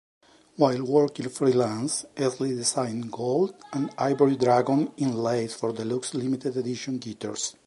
While working freelance, Easley designed gold-and-ivory dragon inlays for deluxe limited-edition guitars.